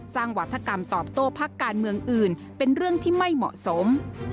วัฒกรรมตอบโต้พักการเมืองอื่นเป็นเรื่องที่ไม่เหมาะสม